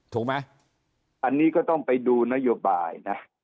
ถูกไหมอันนี้ก็ต้องไปดูนโยบายนะ